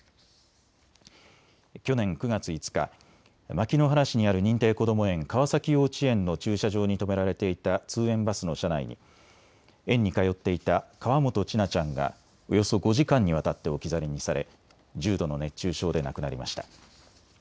去年９月５日、牧之原市にある認定こども園川崎幼稚園の駐車場に止められていた通園バスの車内に園に通っていた河本千奈ちゃんがおよそ５時間にわたって置き去りにされ、重度の熱中症で亡くなりました。